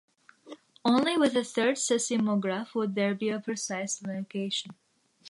Only with a third seismograph would there be a precise location.